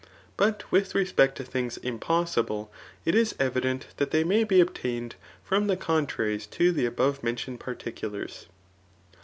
But with respect to thbgs impos sible, it is evident that they may be obtained from the contraries to the above mentioned particulars.